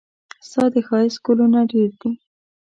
ستا د ښايست ګلونه ډېر دي.